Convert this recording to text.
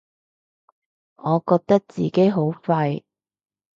我覺得自己好廢